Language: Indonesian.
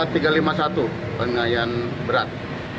tiga ratus lima puluh satu penganiayaan berat